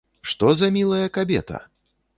Што за мілая кабета?!.